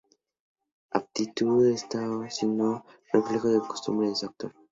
Actitud esta que no es sino un reflejo de la costumbre de su autor.